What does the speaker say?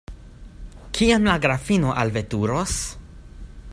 Kiam la grafino alveturos?